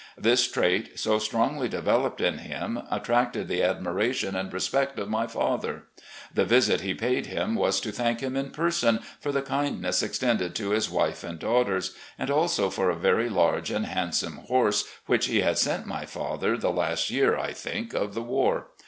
This trait, so strongly developed in him, attracted the admiration and respect of my father. The visit he paid him was to thank him in person for the kindness extended to his wife and daughters, and also for a very large and handsome horse which he had sent my father the last year, I think, of the war.